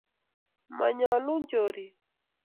Manyaluu chorik